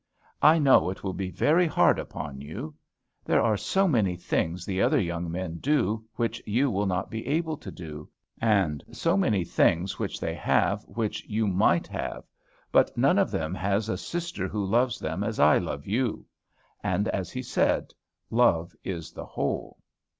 I know it will be very hard upon you. There are so many things the other young men do which you will not be able to do; and so many things which they have which you might have. But none of them has a sister who loves them as I love you. And, as he said, 'Love is the whole.'"